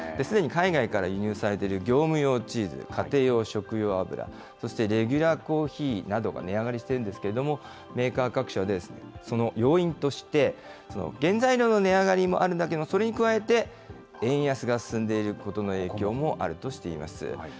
すでに海外から輸入されている業務用チーズ、家庭用食用油、そしてレギュラーコーヒーなどが値上がりしてるんですけれども、メーカー各社でその要因として、原材料の値上がりもあるんだけれども、それに加えて、円安が進んでいることの影響もあるとしています。